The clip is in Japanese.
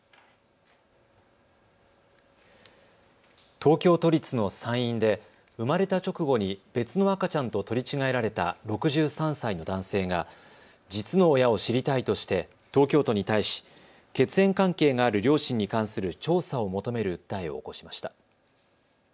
東京都立の産院で生まれた直後に別の赤ちゃんと取り違えられた６３歳の男性が実の親を知りたいとして東京都に対し血縁関係がある両親に関する調査を求める訴えを起こしました。